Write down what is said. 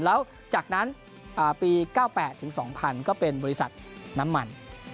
แล้วจากนั้นปี๙๘ถึง๒๐๐ก็เป็นบริษัทน้ำมัน